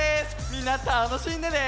みんなたのしんでね！